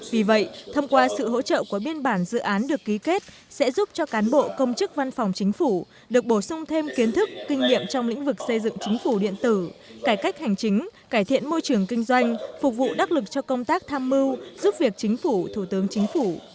vì vậy thông qua sự hỗ trợ của biên bản dự án được ký kết sẽ giúp cho cán bộ công chức văn phòng chính phủ được bổ sung thêm kiến thức kinh nghiệm trong lĩnh vực xây dựng chính phủ điện tử cải cách hành chính cải thiện môi trường kinh doanh phục vụ đắc lực cho công tác tham mưu giúp việc chính phủ thủ tướng chính phủ